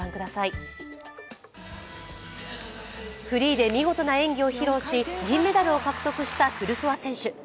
フリーで見事な演技を披露し銀メダルを獲得したトゥルソワ選手。